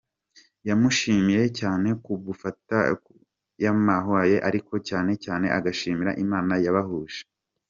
Yamushimiye cyane ku bw'ubufasha yamuhaye ariko cyane cyane agashimira Imana yabahuje.